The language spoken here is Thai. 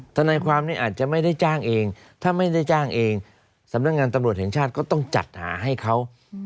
ทนายความนี้อาจจะไม่ได้จ้างเองถ้าไม่ได้จ้างเองสำนักงานตำรวจแห่งชาติก็ต้องจัดหาให้เขา